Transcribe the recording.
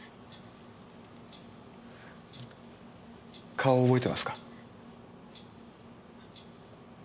顔を覚えてますか？